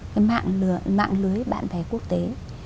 cái mạng lưới bạn bè quốc tế